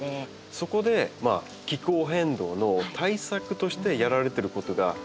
そこで気候変動の対策としてやられてることがあるんですね？